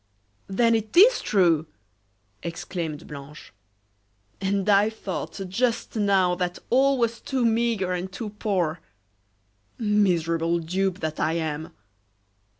"Then it is true!" exclaimed Blanche. "And I thought just now that all was too meagre and too poor! Miserable dupe that I am!